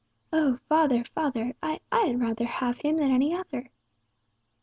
"O, father, father! I—I had rather have him than any other!"